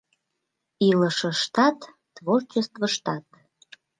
Илышыштат, творчествыштат»...»